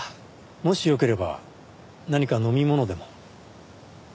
もしよければ何か飲み物でも。